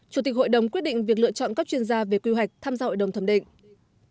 chủ tịch hội đồng quyết định việc lựa chọn các chuyên gia về quy hoạch tham gia hội đồng thẩm định